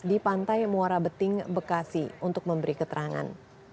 di pantai muara beting bekasi untuk memberi keterangan